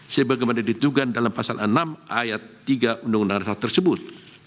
sebagaimana ditugan dalam pasal enam ayat tiga undang undang dasar tersebut